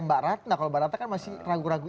mbak ratna kalau mbak ratna kan masih ragu ragu